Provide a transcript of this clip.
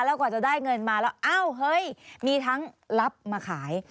แล้วกว่าจะได้เงินมาแล้วอ้าวเฮ้ยมีทั้งรับมาขาย